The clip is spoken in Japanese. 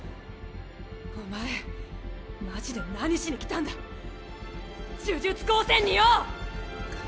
お前マジで何しに来たんだ呪術高専によ！